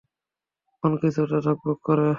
মন কিছুটা ধকধক করছে।